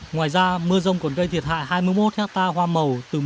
ngoài ra mưa rông còn gây thiệt hại hai mươi một hectare hoa màu từ một mươi đến bảy mươi